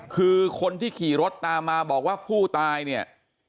คือคนที่ขี่รถตามมาบอกว่าผู้ตายเนี่ย